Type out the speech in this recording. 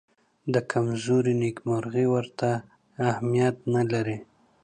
د کمزورو نېکمرغي ورته اهمیت نه لري.